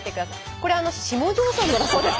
これ下條さんのだそうです。